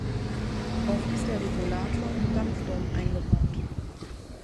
Oft ist der Regulator im Dampfdom eingebaut.